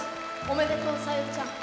おめでとうさゆりちゃん。